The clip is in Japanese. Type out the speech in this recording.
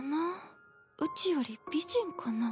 うちより美人かな？